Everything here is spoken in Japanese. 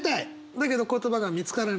だけど言葉が見つからない。